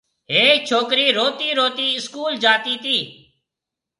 هيَڪ ڇوڪرِي روتِي روتِي اسڪول جاتي تي۔